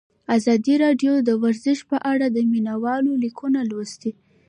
ازادي راډیو د ورزش په اړه د مینه والو لیکونه لوستي.